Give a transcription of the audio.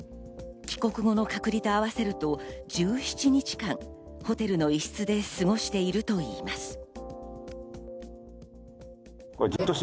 帰国後の隔離と合わせると１７日間、ホテルの一室で過ごしているといいます。